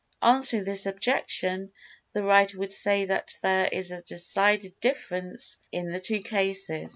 Answering this objection, the writer would say that there is a decided difference in the two cases.